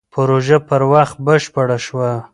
پروژه پر وخت بشپړه شوه.